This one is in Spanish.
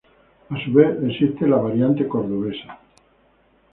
A su vez, existe la variante cordobesa.